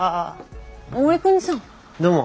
どうも。